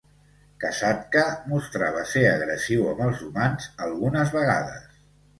Kasatka mostrava ser agressiu amb els humans algunes vegades.